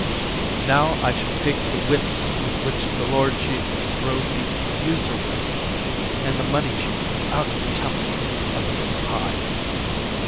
"Now I shall take the whips with which the Lord Jesus drove the usurers and the money changers out of the Temple of the Most High."